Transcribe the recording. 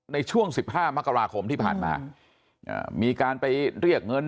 ในช่วง๑๕มกราคมที่ผ่านมามีการไปเรียกเงิน